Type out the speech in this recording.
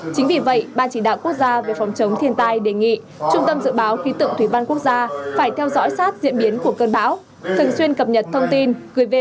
chính vì vậy ban chỉ đạo quốc gia về phòng chống thiên tai đã tổ chức cuộc họp trực tuyến với các đài dự báo quốc tế